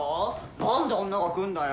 なんで女が来んだよ！